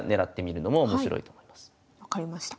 分かりました。